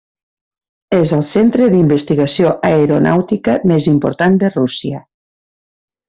És el centre d'investigació aeronàutica més important de Rússia.